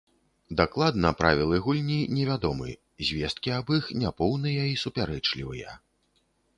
Дакладна правілы гульні невядомы, звесткі аб іх няпоўныя і супярэчлівыя.